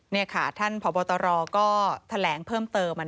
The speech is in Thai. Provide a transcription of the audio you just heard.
นี่ค่ะท่านพบตรก็แถลงเพิ่มเติม